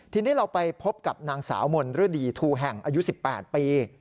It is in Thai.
ทีนี้เราไปพบกับนางสาวมนฤดีทูแห่งอายุ๑๘ปี